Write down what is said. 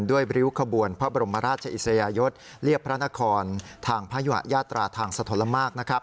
ด้วยบริวคบวนพระบุรมราชอิสยายส์เรียบพระนครทางพายุหะยาตราทางสุทธิ์และมาก